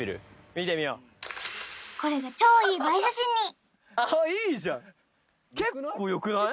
見てみようこれが超いい映え写真にああいいじゃん結構よくない？